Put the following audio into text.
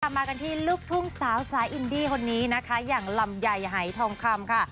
มากันที่ลูกทุ่งสาวสายอินดี้คนนี้นะคะอย่างลำไยหายทองคำค่ะ